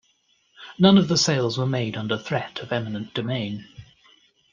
None of the sales were made under threat of eminent domain.